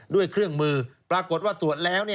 ด้วยเครื่องมือปรากฏว่าตรวจแล้ว